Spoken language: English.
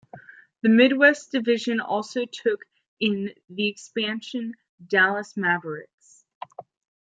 The Midwest Division also took in the expansion Dallas Mavericks.